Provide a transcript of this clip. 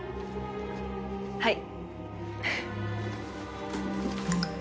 はい。